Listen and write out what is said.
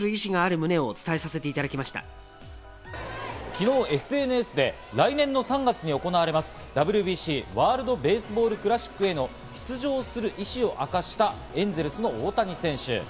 昨日、ＳＮＳで来年の３月に行われますＷＢＣ＝ワールド・ベースボール・クラシックへの出場する意思を明かしたエンゼルスの大谷選手。